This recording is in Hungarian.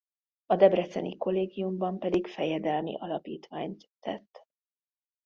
A debreceni kollégiumban pedig fejedelmi alapítványt tett.